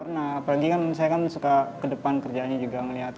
nah apalagi kan saya kan suka ke depan kerjaannya juga melihat